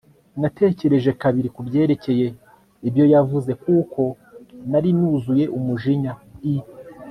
natekereje kabiri kubyerekeye ibyo navuze kuko nari nuzuye umujinya. i